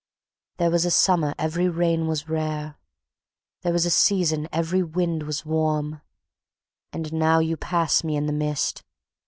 There was a summer every rain was rare; There was a season every wind was warm.... And now you pass me in the mist...